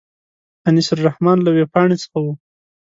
انیس الرحمن له وېبپاڼې څخه و.